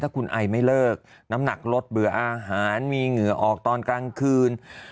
คุณไอไม่เลิกน้ำหนักลดเบื่ออาหารมีเหงื่อออกตอนกลางคืน